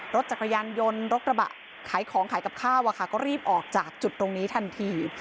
รถจักรยานยนต์รถกระบะขายของขายกับข้าวก็รีบออกจากจุดตรงนี้ทันที